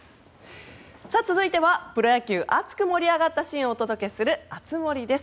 続いてはプロ野球熱く盛り上がったシーンをお届けする熱盛です。